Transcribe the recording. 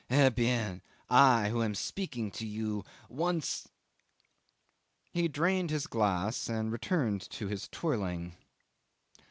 Eh bien! I, who am speaking to you, once ..." 'He drained his glass and returned to his twirling.